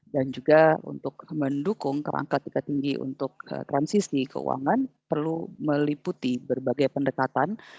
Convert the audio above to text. dan juga untuk mendukung kerangka tingkat tinggi untuk transisi keuangan perlu meliputi berbagai pendekatan